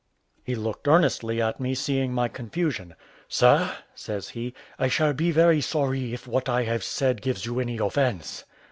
He looked earnestly at me, seeing my confusion. "Sir," says he, "I shall be very sorry if what I have said gives you any offence."